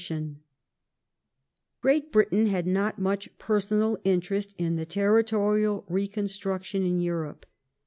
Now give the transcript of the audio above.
English Great Britain had not much pei sonal interest in the temtorial ga>"s reconstruction in Europe.